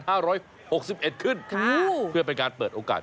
ค่ะค่ะค่ะเพื่อเป็นการเปิดโอกาส